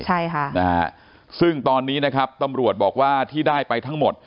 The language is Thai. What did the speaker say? ใช่ค่ะนะฮะซึ่งตอนนี้นะครับตำรวจบอกว่าที่ได้ไปทั้งหมด